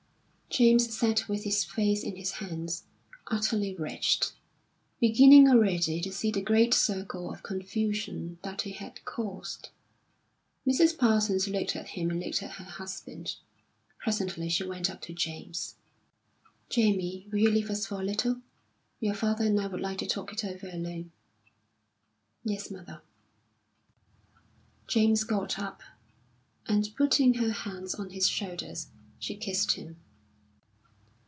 James sat with his face in his hands, utterly wretched, beginning already to see the great circle of confusion that he had caused. Mrs. Parsons looked at him and looked at her husband. Presently she went up to James. "Jamie, will you leave us for a little? Your father and I would like to talk it over alone." "Yes, mother." James got up, and putting her hands on his shoulders, she kissed him.